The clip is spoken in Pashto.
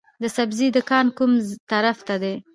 د سبزۍ دکان کوم طرف ته دی؟